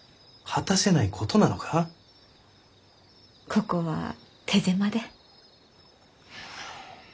ここは手狭で。